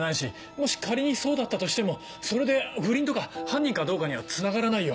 もし仮にそうだったとしてもそれで不倫とか犯人かどうかにはつながらないよ。